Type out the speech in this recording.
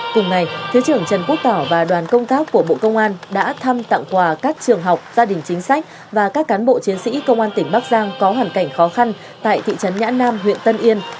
cùng ngày thứ trưởng trần quốc tỏ và đoàn công tác của bộ công an đã thăm tặng quà các trường học gia đình chính sách và các cán bộ chiến sĩ công an tỉnh bắc giang có hoàn cảnh khó khăn tại thị trấn nhã nam huyện tân yên